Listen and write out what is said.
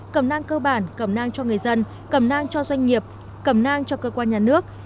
cẩm nang cơ bản cẩm nang cho người dân cầm nang cho doanh nghiệp cầm nang cho cơ quan nhà nước